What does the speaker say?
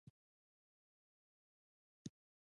مدیریت د منابعو کارول دي